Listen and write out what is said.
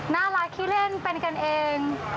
น่ารักคิดเล่นเป็นกันเอง